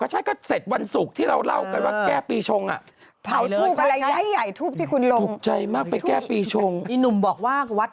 ใดพี่เอาจริงน่ะพี่ผัตรอยากให้หมดดำรวย